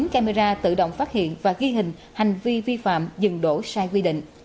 camera tự động phát hiện và ghi hình hành vi vi phạm dừng đổ sai quy định